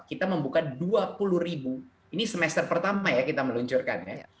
kita membuka dua puluh ribu ini semester pertama ya kita meluncurkan ya